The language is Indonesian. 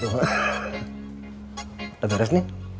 udah garis nih